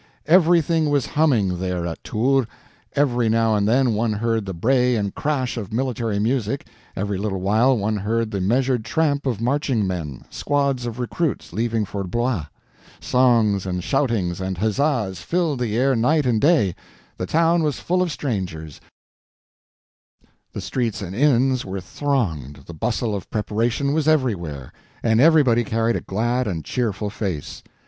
Everything was humming there at Tours. Every now and then one heard the bray and crash of military music, every little while one heard the measured tramp of marching men—squads of recruits leaving for Blois; songs and shoutings and huzzas filled the air night and day, the town was full of strangers, the streets and inns were thronged, the bustle of preparation was everywhere, and everybody carried a glad and cheerful face.